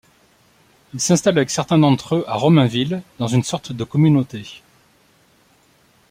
Il s'installe avec certains d'entre eux à Romainville dans une sorte de communauté.